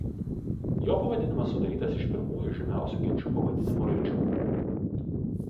Jo pavadinimas sudarytas iš pirmųjų žymiausių genčių pavadinimų raidžių.